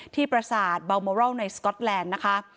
ที่ประสาทบัลเมอรอลในสก็อตแลนด์นะคะ